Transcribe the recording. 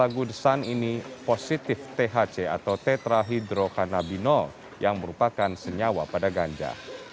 lagu desan ini positif thc atau tetrahydrokanabino yang merupakan senyawa pada ganja